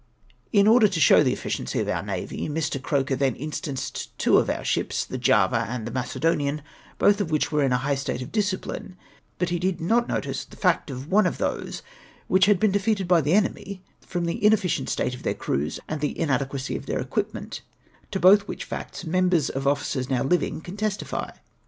In order to show the efficiency of our navy, Mr. Croker then instanced two of our sliips, the Java and the Macedonian, both of which were in a high state of disciphne ; but he did not notice the fact of one of those which had been defeated by the enemy from the in efficient state of their crews and the inadequacy of their equipment, to both which facts numbers of officers now living can testify.